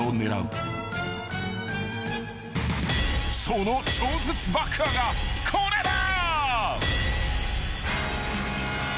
［その超絶爆破がこれだ］